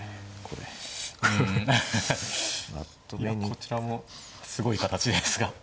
こちらもすごい形ですが。